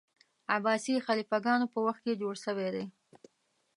عباسي خلیفه ګانو په وخت کي جوړ سوی دی.